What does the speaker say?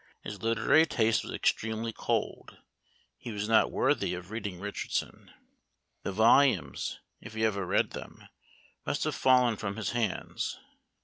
His literary taste was extremely cold: he was not worthy of reading Richardson. The volumes, if he ever read them, must have fallen from his hands.